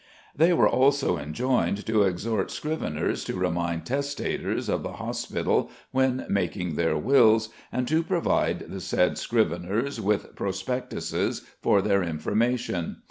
They were also enjoined to exhort scriveners to remind testators of the hospital when making their wills, and to provide the said scriveners with prospectuses for their information.